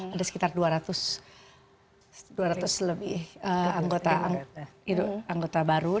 ada sekitar dua ratus lebih anggota baru